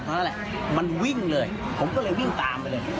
นั่นแหละมันวิ่งเลยผมก็เลยวิ่งตามไปเลย